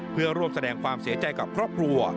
เพื่อร่วมแสดงความเสียใจกับครอบครัว